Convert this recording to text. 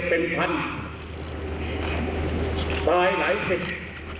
เป็นพันธุ์ตายหลายสิทธิ์